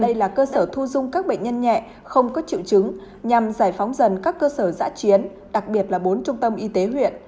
đây là cơ sở thu dung các bệnh nhân nhẹ không có triệu chứng nhằm giải phóng dần các cơ sở giã chiến đặc biệt là bốn trung tâm y tế huyện